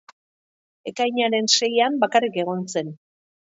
Ekainaren seian bakarrik egon zen.